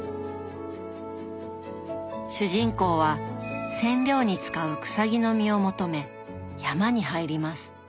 主人公は染料に使う「くさぎの実」を求め山に入ります。